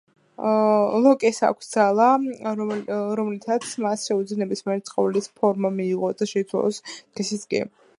ლოკეს აქვს ძალა, რომლითაც მას შეუძლია ნებისმიერი ცხოველის ფორმა მიიღოს და შეიცვალოს სქესიც კი.